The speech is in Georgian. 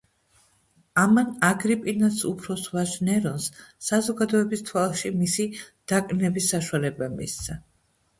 ამან აგრიპინას უფროს ვაჟ ნერონს საზოგადოების თვალში მისი დაკნინების საშუალება მისცა.